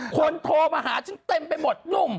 โทรมาหาฉันเต็มไปหมดหนุ่ม